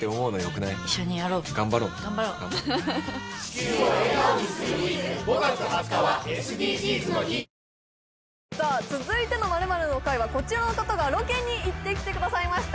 キリン「陸」さあ続いての「○○の会」はこちらの方がロケに行ってきてくださいました